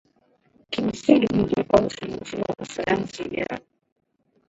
kimsingi ni tofauti na njia ya sayansi ya